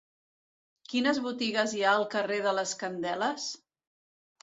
Quines botigues hi ha al carrer de les Candeles?